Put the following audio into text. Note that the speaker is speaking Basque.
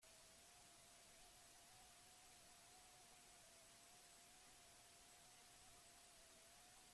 Dokumentu horretan errazago aldatuko duzu zure sexua zure nazionalitatea baino.